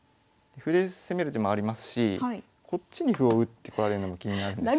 歩で攻める手もありますしこっちに歩を打ってこられるのも気になるんですよね。